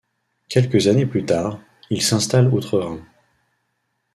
Quelques années plus tard, il s'installe outre-Rhin.